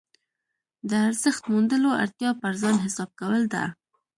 د ارزښت موندلو اړتیا پر ځان حساب کول ده.